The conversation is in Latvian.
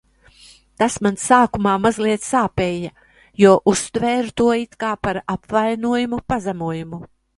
Tas man sākumā mazliet sāpēja, jo uztvēru to it kā par apvainojumu, pazemojumu.